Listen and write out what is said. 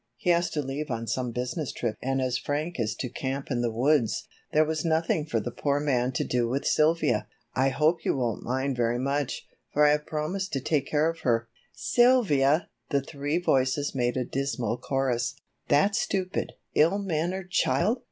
He has to leave on some business trip and as Frank is to camp in the woods, there was nothing for the poor man to do with Sylvia. I hope you won't mind very much, for I have promised to take care of her." "Sylvia!" The three voices made a dismal chorus. "That stupid, ill mannered child!